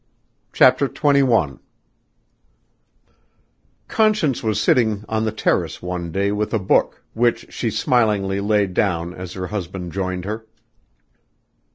CHAPTER XXI Conscience was sitting on the terrace one day with a book, which she smilingly laid down as her husband joined her.